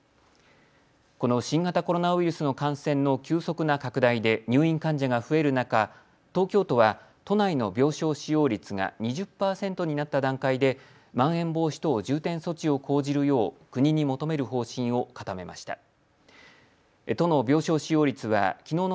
この新型コロナウイルスの感染の急速な拡大で入院患者が増える中、東京都は都内の病床使用率が２０％になった段階でまん延防止等重点措置を講じるよう国に求める方針を固めました。